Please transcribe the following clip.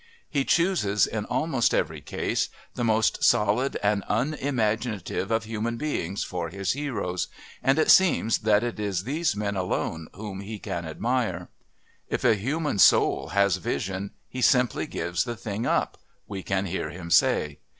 He chooses, in almost every case, the most solid and unimaginative of human beings for his heroes, and it seems that it is these men alone whom he can admire. "If a human soul has vision he simply gives the thing up," we can hear him say.